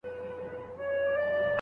دا نجلۍ د دې نقيب د هر پرهر گنډونکې ده